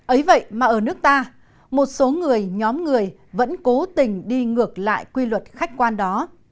ấy vậy mà ở nước ta một số người nhóm người vẫn cố tình đi ngược lại quy luật khách quan đó